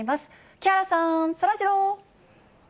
木原さん、そらジロー。